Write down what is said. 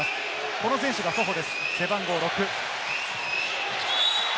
この選手がソホです、背番号６。